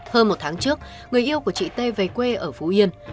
hơn một tháng trước người yêu của chị t về quê ở phú yên